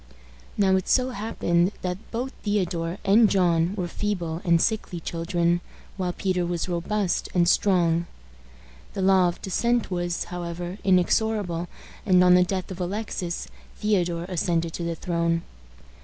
Now it so happened that both Theodore and John were feeble and sickly children, while Peter was robust and strong. The law of descent was, however, inexorable, and, on the death of Alexis, Theodore ascended to the throne.